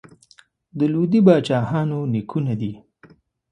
د لودي پاچاهانو نیکونه دي.